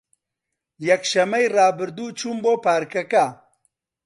یەکشەممەی ڕابردوو چووم بۆ پارکەکە.